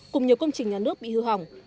cùng nhiều công trình nhà nước bị hư hỏng